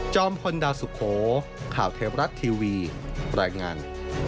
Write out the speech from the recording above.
พลดาวสุโขข่าวเทวรัฐทีวีรายงาน